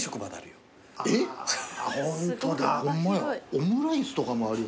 オムライスとかもあるよ。